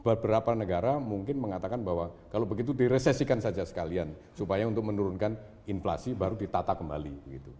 beberapa negara mungkin mengatakan bahwa kalau begitu diresesikan saja sekalian supaya untuk menurunkan inflasi baru ditata kembali